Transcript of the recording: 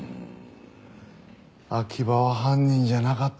秋葉は犯人じゃなかったのかも。